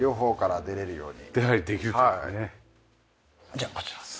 じゃあこちらです。